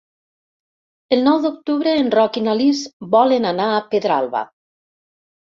El nou d'octubre en Roc i na Lis volen anar a Pedralba.